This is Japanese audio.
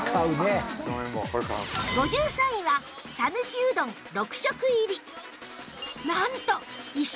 ５３位はさぬきうどん６食入り